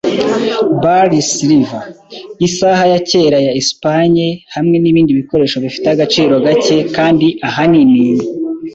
bar silver, isaha ya kera ya Espagne hamwe nibindi bikoresho bifite agaciro gake kandi ahanini